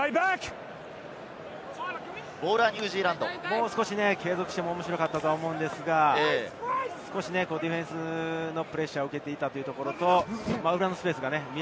もう少し継続しても面白かったと思うのですが、少しディフェンスのプレッシャーを受けていたので。